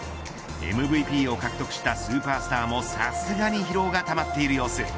ＭＶＰを獲得したスーパースターもさすがに疲労がたまっている様子。